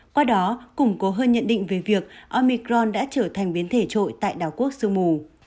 qua đó củng cố hơn nhận định về việc omicron đã trở thành biến thể trội tại đảo quốc sương mù